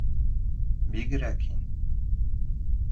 — Бигерәк һин.